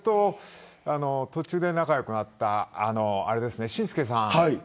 途中で仲良くなった紳助さん。